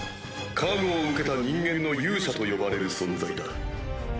加護を受けた人間の勇者と呼ばれる存在だ。